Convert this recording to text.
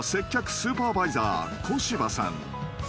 スーパーバイザー小柴さん